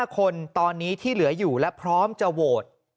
๕คนตอนนี้ที่เหลืออยู่และพร้อมจะโหวต